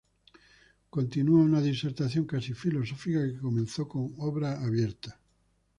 Continúa una disertación casi filosófica que comenzó con "Obra abierta".